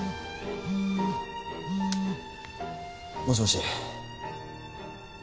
もしもし。